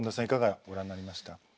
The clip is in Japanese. いかがご覧になりました。